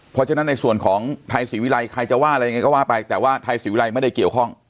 เพราะฉะนั้นในส่วนของไทยศรีวิรัยใครจะว่าอะไรยังไงก็ว่าไปแต่ว่าไทยศรีวิรัยไม่ได้เกี่ยวข้อง